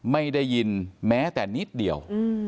ไม่ได้ยินแม้แต่นิดเดียว